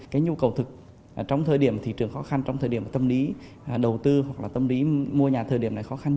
cái nhu cầu thực trong thời điểm thị trường khó khăn trong thời điểm tâm lý đầu tư hoặc là tâm lý mua nhà thời điểm này khó khăn